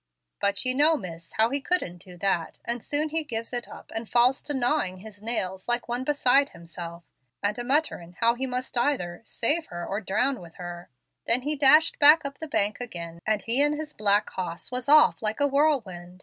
But ye know, miss, how he couldn't do that, and soon he gives it up and falls to gnawin' his nails like one beside himself, an' a mutterin' how he must either 'save her or drown with her.' Then he dashed up the bank ag'in, and he and his black hoss was off like a whirlwind.